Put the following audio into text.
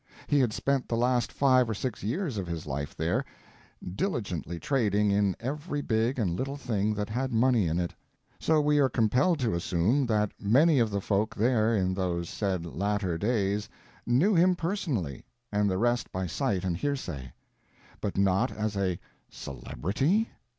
He had spent the last five or six years of his life there, diligently trading in every big and little thing that had money in it; so we are compelled to assume that many of the folk there in those said latter days knew him personally, and the rest by sight and hearsay. But not as a _celebrity?